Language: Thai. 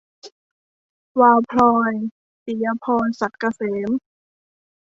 วาวพลอย - ปิยะพร ศักดิ์เกษม